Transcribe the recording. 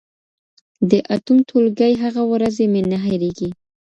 د اتم ټولګي هغه ورځې مي نه هېرېږي.